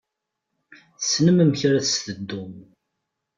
Tessnem amek ara s-teddum.